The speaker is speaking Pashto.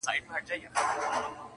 هسي نوم د مرګي بد دی خبر نه دي عالمونه،